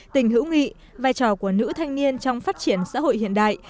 tình hữu nghị vai trò của nữ thanh niên trong phát triển xã hội hiện đại